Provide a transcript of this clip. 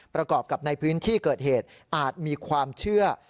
ประกอบกับในพื้นที่เกิดเหตุอาจมีความเชื่อ